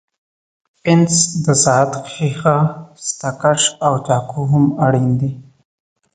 پنس، د ساعت ښيښه، ستکش او چاقو هم اړین دي.